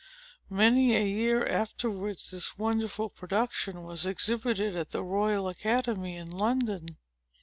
Many a year afterwards, this wonderful production was exhibited at the Royal Academy in London.